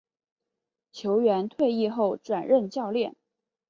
球员退役后转任教练。